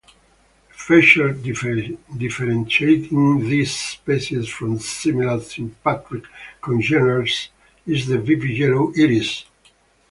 A feature differentiating this species from similar sympatric congeners is the vivid yellow iris.